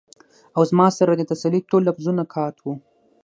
او زما سره د تسلۍ ټول لفظونه قات وو ـ